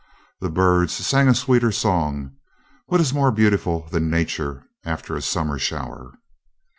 The birds sang a sweeter song. What is more beautiful than nature after a summer shower!